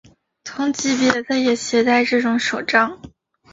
同级别的也携带这种手杖。